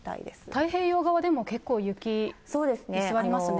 太平洋側でも結構、雪、居座りますね。